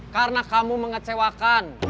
karena kamu mengecewakan